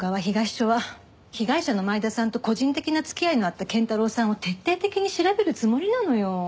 東署は被害者の前田さんと個人的な付き合いのあった謙太郎さんを徹底的に調べるつもりなのよ。